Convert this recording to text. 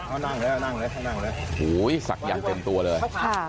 โอ้โหสักอย่างเต็มตัวเลย